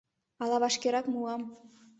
Ала вашкерак муам.